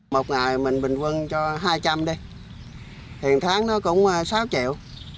một ngày mình bình quân cho hai trăm linh đi thì một tháng nó cũng sáu triệu